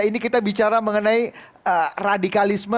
ini kita bicara mengenai radikalisme